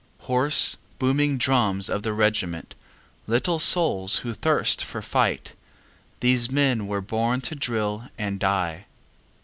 Hoarse, booming drums of the regiment, Little souls who thirst for fight, These men were born to drill and die.